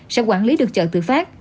sẽ quản lý được chợ tự phát